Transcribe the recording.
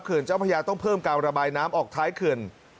เจ้าพระยาต้องเพิ่มการระบายน้ำออกท้ายเขื่อน